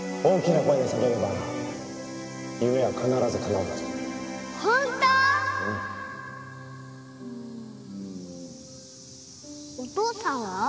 お父さんは？